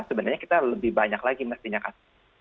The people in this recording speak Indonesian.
sebenarnya kita lebih banyak lagi mestinya kasus